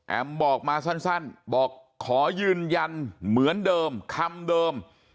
บอกมาสั้นบอกขอยืนยันเหมือนเดิมคำเดิม